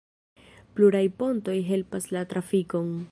Pluraj pontoj helpas la trafikon.